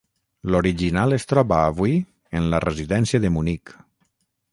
L'original es troba avui en la Residència de Munic.